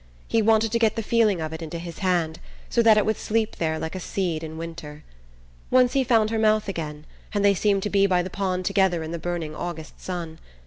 He wanted to get the feeling of it into his hand, so that it would sleep there like a seed in winter. Once he found her mouth again, and they seemed to be by the pond together in the burning August sun.